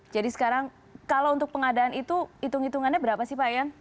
sekarang kalau untuk pengadaan itu hitung hitungannya berapa sih pak yan